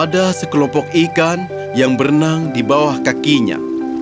ada sekelompok ikan yang berenang di bawah kakinya